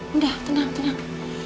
udah tenang tenang